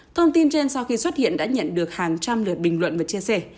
thông tin trên sau khi xuất hiện đã nhận được hàng trăm lời bình luận và chia sẻ